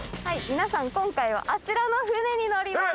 皆さん今回はあちらの船に乗ります。